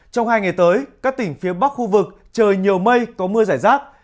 trong hai ngày tới các tỉnh phía bắc khu vực trời nhiều mây có mưa giải rác